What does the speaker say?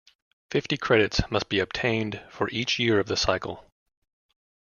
Fifty credits must be obtained for each year of the cycle.